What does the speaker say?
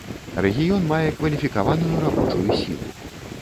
Рэгіён мае кваліфікаваную рабочую сілу.